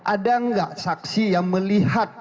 ada nggak saksi yang melihat